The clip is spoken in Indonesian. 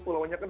pulau nya kan